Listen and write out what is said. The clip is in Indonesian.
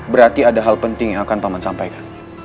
berarti ada hal penting yang akan paman sampaikan